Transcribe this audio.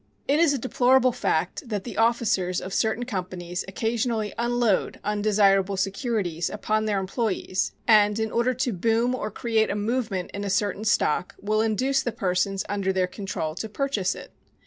It is a deplorable fact that the officers of certain companies occasionally "unload" undesirable securities upon their employees, and, in order to boom or create a "movement" in a certain stock, will induce the persons under their control to purchase it.